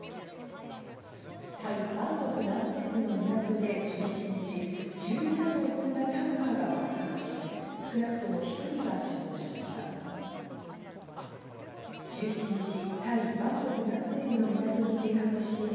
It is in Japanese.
タイ・バンコク南西部の港で１７日、重油などを積んだタンカーが爆発し、少なくとも１人が死亡しました。